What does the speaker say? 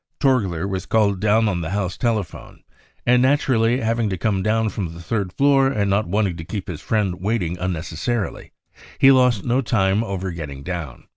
Torgler was called 'down on the house # telephone, and naturally, having to come down from the third floor and not wanting to keep his friend waiting unnecessarily, he lost no time over getting down.